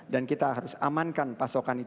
dan kita harus amankan pasokan